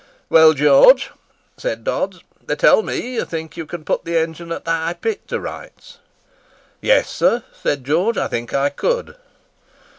"Well, George," said Dodds, "they tell me that you think you can put the engine at the High Pit to rights." "Yes, sir," said George. "I think I could."